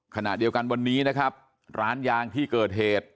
ขณะเดียวกันวันนี้นะครับร้านยางที่เกิดเหตุ